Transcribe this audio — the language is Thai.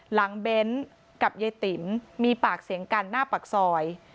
เบ้นกับยายติ๋มมีปากเสียงกันหน้าปากซอย